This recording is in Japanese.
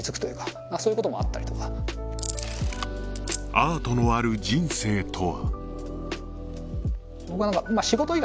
アートのある人生とは？